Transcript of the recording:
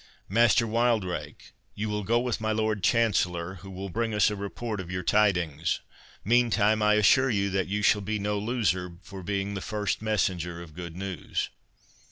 —Master Wildrake, you will go with my Lord Chancellor, who will bring us a report of your tidings; meantime, I assure you that you shall be no loser for being the first messenger of good news."